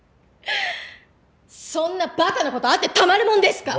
そんなバカなことあってたまるもんですか！